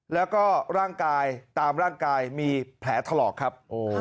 แล้วก็ร่างกายตามร่างกายมีแผลถลอกครับ